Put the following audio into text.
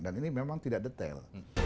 ini memang tidak detail